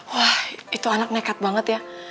wah itu anak nekat banget ya